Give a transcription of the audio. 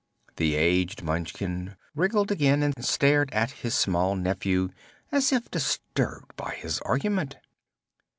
The aged Munchkin wriggled again and stared at his small nephew as if disturbed by his argument.